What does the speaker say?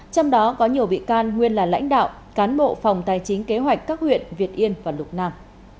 trong đó có nhiều bị can nguyên là lãnh đạo cán bộ phòng tài chính kế hoạch các huyện việt yên và lục nam